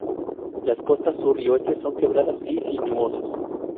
Las costas sur y oeste son quebradas y sinuosas.